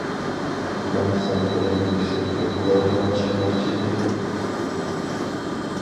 مەن سەن بىلەن يۈكسەك چوققىلارغا چىقماقچى ئىدىم.